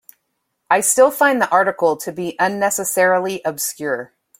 I still find the article to be unnecessarily obscure.